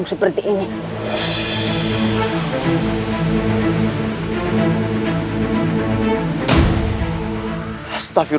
batas perjanjianku dengannya sudah habisnya